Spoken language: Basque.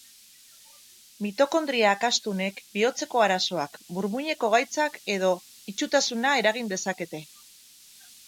Mitokondria akastunek bihotzeko arazoak, burmuineko gaitzak edo itsutasuna eragin dezakete.